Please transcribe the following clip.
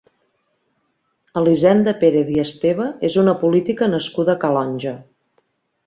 Elisenda Pérez i Esteve és una política nascuda a Calonge.